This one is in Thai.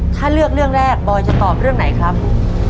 ถ้าเลือกเรื่องแรกบอยจะตอบเรื่องไหนครับ